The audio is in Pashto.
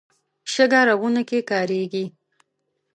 شګه رغونه کې کارېږي.